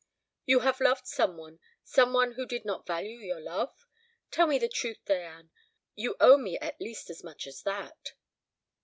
"You have loved some one, some one who did not value your love? Tell me the truth, Diane; you owe me at least as much as that."